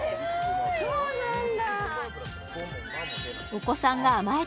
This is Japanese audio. そうなんだ